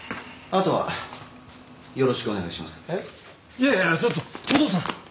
いやいやちょっと東堂さん。